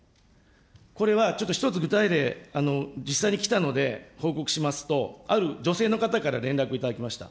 これはちょっと一つ具体例、実際に来たので、報告しますと、ある女性の方から連絡いただきました。